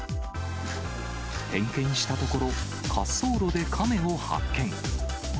点検したところ、滑走路でカメを発見。